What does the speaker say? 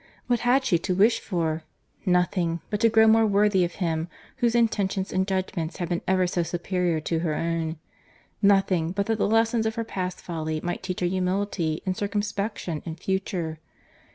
—What had she to wish for? Nothing, but to grow more worthy of him, whose intentions and judgment had been ever so superior to her own. Nothing, but that the lessons of her past folly might teach her humility and circumspection in future.